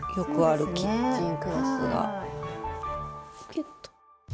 キュッと。